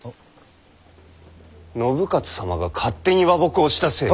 信雄様が勝手に和睦をしたせいで。